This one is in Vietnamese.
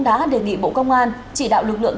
đã đề nghị bộ công an chỉ đạo lực lượng